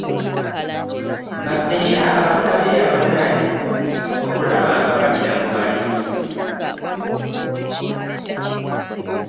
Bano era basabye aba NAADS okulaba nga badda mu balimi